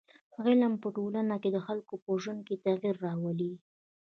علم په ټولنه کي د خلکو په ژوند کي تغیر راولي.